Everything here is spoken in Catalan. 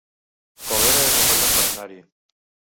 Colera es un bon lloc per anar-hi